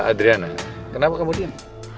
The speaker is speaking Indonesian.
adriana kenapa kamu diam